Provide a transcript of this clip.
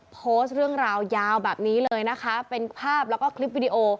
โพสต์เรื่องราวยาวแบบนี้เลยนะคะเป็นภาพแล้วก็คลิปวิดีโอ